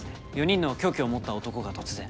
４人の凶器を持った男が突然。